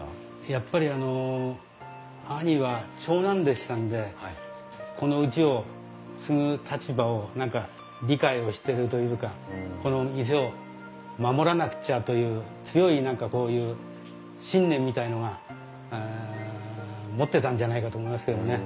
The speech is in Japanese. やっぱり兄は長男でしたんでこのうちを継ぐ立場を何か理解をしてるというかこの店を守らなくちゃという強い何かこういう信念みたいのが持ってたんじゃないかと思いますけどもね。